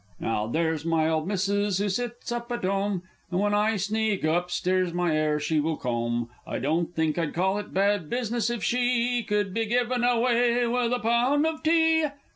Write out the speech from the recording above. _) Now, there's my old Missus who sits up at 'ome And when I sneak up stairs my 'air she will comb, I don't think I'd call it bad business if she Could be given away with a Pound of Tea!